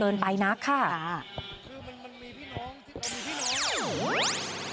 คือมันมีพี่น้องมันมีพี่น้อง